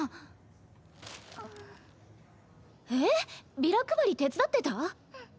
ビラ配り手伝ってた⁉んっんっ。